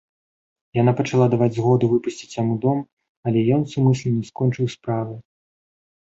Яна пачала даваць згоду выпусціць яму дом, але ён сумысля не скончыў справы.